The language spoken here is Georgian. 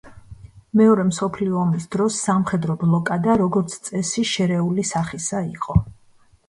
მეორე მსოფლიო ომის დროს სამხედრო ბლოკადა, როგორც წესი, შერეული სახისა იყო.